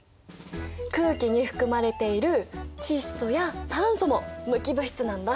空気に含まれている窒素や酸素も無機物質なんだ。